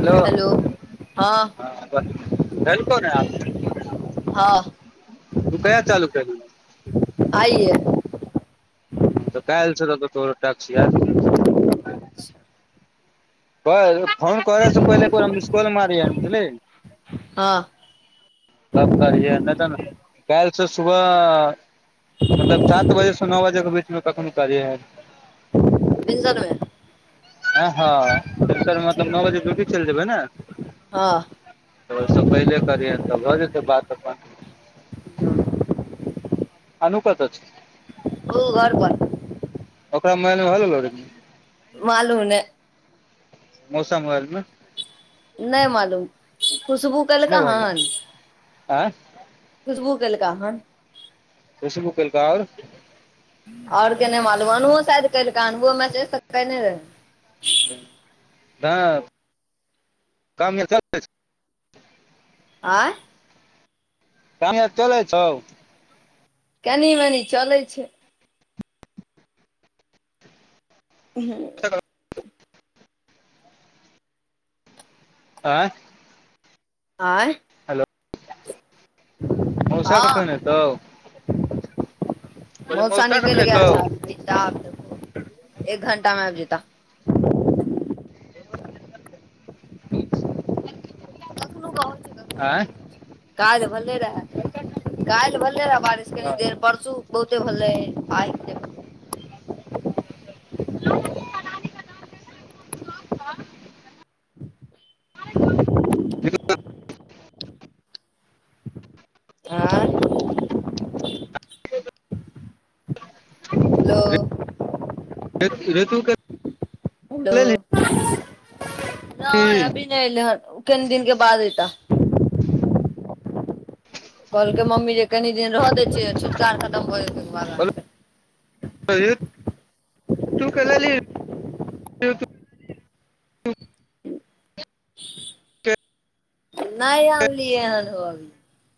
hello हँ दैलकौ नै आब हँ तू कहिया सँ चालू करि लेलहिं आइए ह तऽ काल्हिसे रहतो तोरो टाक्स यार [inaudible] भह फोन करैसँ पहिले तु हमरा मिसकॉल मारियै बुझली हँ तब करिये नहि तऽ काल्हि से सुबह मतलब सात बजेसँ नओ बजे के बीचमे कखनो कीरिए है भिनसर मे हँ हँ भिनसर मे मतलब ठीक नओ बजे ड्यूटी चलि जेबै ने हँ तऽ ओहिसँ पहिले करियैन तऽ भऽ जेतै बात अपन अनु कतऽ छै उ घर पर ओकरा मोबाइल मे भऽ गेलौ मालूम ने मौसा मोबाइल मे नै मालूम खुशबू कैल कऽ हन आँ खुशबू केलका हन खुशबू केलका आर ओर के ने मालुम अनुओ शायाद कैलका हन उहो मैसेज तऽ केने रहए तब काम आर चलै छौ आँय काम आर चलै छौ कनि मनि चलै छै हँ आंय आँय मौसा कखन हँ एतौ कहलियै मौसा कखन निकलि एतौ गेल छा एक घण्टा मे आबि जेतऽ कोनो [unintelligible] आँ काल्हि भेलै रहय कालहि भले रहै बारिश कनी देर परसू बहुते भेलै आइ नै आँय हेलो रे रीतु के हेलो नहि की अभी नहि एलै हन कनि दिन के बाद ऐतऽ [inaudible] कहलकै मम्मी जे कनि दिन रह दै छियै छुतका आर खतम भऽ जेतै ओहिके बाद आनब तू कलली [unintelligible] [inaudible] [inaudible] के नहि आनलियै हन हो अभी